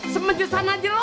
semenjusan aja lu